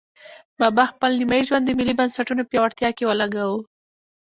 بابا خپل نیمایي ژوند د ملي بنسټونو پیاوړتیا کې ولګاوه.